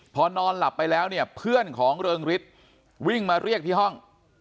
พอนอนหลับไปแล้วเนี่ยเพื่อนของเริงฤทธิ์วิ่งมาเรียกที่ห้อง